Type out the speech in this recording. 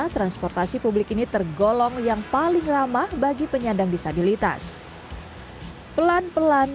transportasi publik ini tergolong yang paling ramah bagi penyandang disabilitas pelan pelan